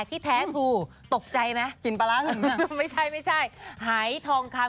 ก็ต้องให้กฎหมายจัดการ